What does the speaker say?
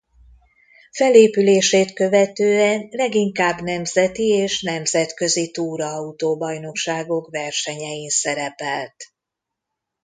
Felépülését követően leginkább nemzeti és nemzetközi túraautó-bajnokságok versenyein szerepelt.